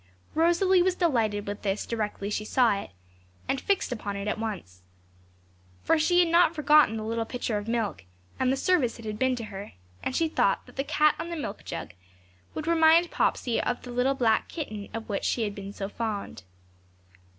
Rosalie was delighted with this directly she saw it, and fixed upon it once. For she had not forgotten the little pitcher of milk, and the service it had been to her, and she thought that the cat on the milk jug would remind Popsey of the little black kitten of which she had been so fond.